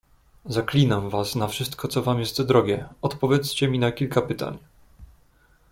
"Zaklinam was na wszystko, co wam jest drogie, odpowiedzcie mi na kilka pytań."